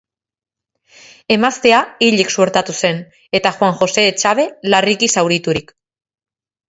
Emaztea hilik suertatu zen, eta Juan Jose Etxabe larriki zauriturik.